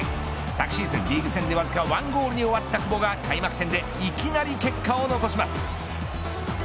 昨シーズン、リーグ戦でわずか１ゴールに終わった久保が開幕戦でいきなり結果を残します。